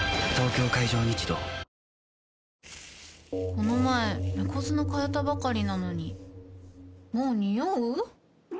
この前猫砂替えたばかりなのにもうニオう？